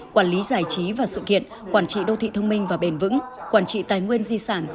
quản lý giải trí và sự kiện quản trị đô thị thông minh và bền vững quản trị tài nguyên di sản